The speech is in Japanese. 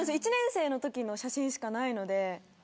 １年生のときの写真しかないので。